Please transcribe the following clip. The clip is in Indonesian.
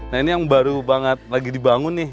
nah ini yang baru banget lagi dibangun nih